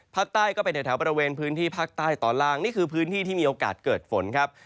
ก็เป็นแถวบริเวณพื้นที่ภาคใต้ตอนล่างนี่คือพื้นที่ที่มีโอกาสเกิดฝนครับ